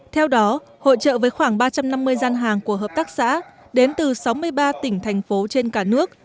theo đó hội trợ với khoảng ba trăm năm mươi gian hàng của hợp tác xã đến từ sáu mươi ba tỉnh thành phố trên cả nước